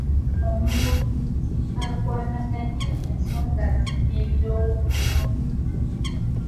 Omuluubirizi akwanaganye ensonga ze n’ebirowoozo bino